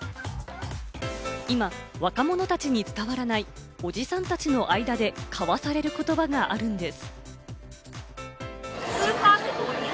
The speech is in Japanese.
今、若者たちに伝わらない、おじさんたちの間で交わされる言葉があるんです。